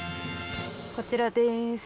こちらです。